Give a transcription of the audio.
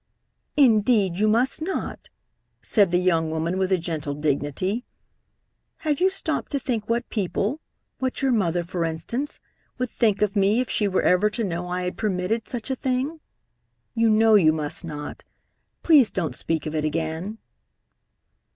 "Indeed, you must not," said the young woman, with a gentle dignity. "Have you stopped to think what people what your mother, for instance would think of me if she were ever to know I had permitted such a thing? You know you must not. Please don't speak of it again."